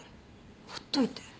ほっといて。